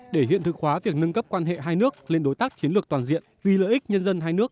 để hiện thực hóa việc nâng cấp quan hệ hai nước lên đối tác chiến lược toàn diện vì lợi ích nhân dân hai nước